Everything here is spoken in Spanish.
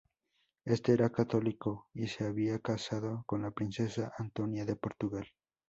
Este era católico y se había casado con la princesa Antonia de Portugal.